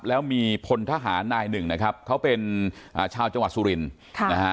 แล้วมีพลทหารนายหนึ่งนะครับเขาเป็นอ่าชาวจังหวัดสุรินค่ะนะฮะ